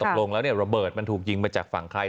ตกลงแล้วระเบิดมันถูกยิงมาจากฝั่งใคร